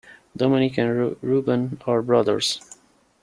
Domenic and Reuben are brothers.